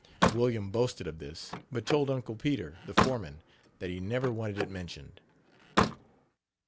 William boasted of this, but told Uncle Peter, the foreman, that he never wanted it mentioned.